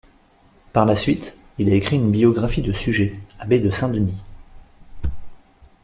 Par la suite, il a écrit une biographie de Suger, abbé de Saint-Denis.